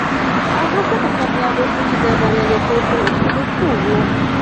هغه ځکه بريالی شو چې د برياليتوب پر اصولو پوه و.